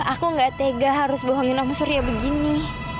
aku gak tega harus bohongin om surya begini